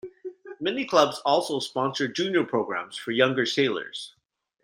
Many clubs also sponsor junior programs for younger sailors.